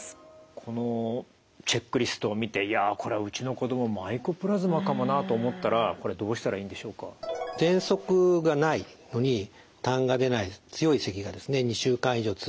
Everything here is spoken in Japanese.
このチェックリストを見て「いやこれはうちの子どもマイコプラズマかもな」と思ったらこれどうしたらいいんでしょうか？